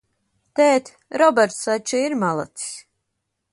Tēt, Roberts taču ir malacis?